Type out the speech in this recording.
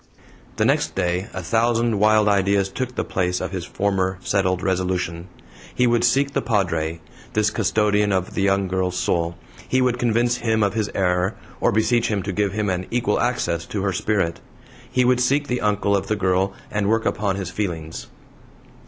The next day a thousand wild ideas took the place of his former settled resolution. He would seek the Padre, this custodian of the young girl's soul; he would convince HIM of his error, or beseech him to give him an equal access to her spirit! He would seek the uncle of the girl, and work upon his feelings.